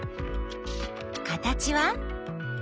形は？